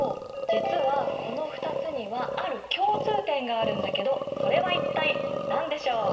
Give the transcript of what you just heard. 実はこの２つにはある共通点があるんだけどそれは一体何でしょう？